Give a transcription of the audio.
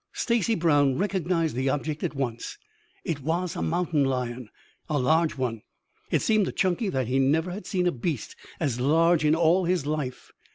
Stacy Brown recognized the object at once. It was a mountain lion, a large one. It seemed to Chunky that he never had seen a beast as large in all his life.